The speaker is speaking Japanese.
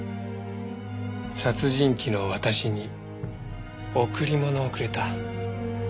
殺人鬼の私に贈り物をくれた。